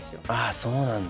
あそうなんだ。